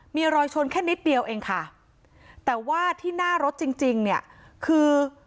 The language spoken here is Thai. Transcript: มีรอยชนแค่นิดเดียวเองค่ะแต่ว่าที่หน้ารถจริงจริงเนี่ยคือ